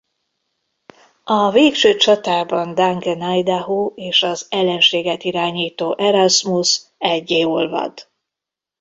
A végső csatában Duncan Idaho és az ellenséget irányító Erasmus eggyé olvad.